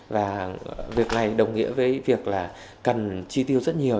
và việc này đồng nghĩa với việc là cần chi tiêu rất nhiều